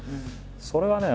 それはね